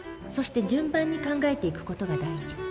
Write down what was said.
そして順番に考えていく事が大事。